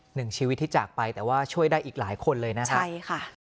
หนึ่งชีวิตที่จากไปแต่ว่าช่วยได้อีกหลายคนเลยนะฮะใช่ค่ะ